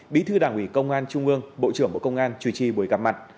bí thư đảng ủy công an trung ương bộ trưởng bộ công an chủ trì buổi gặp mặt